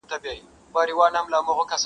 له دښتونو څخه ستون سو تش لاسونه -